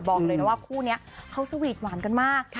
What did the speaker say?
บอกเลยนะว่าคู่นี้เขาสวีทหวานกันมาก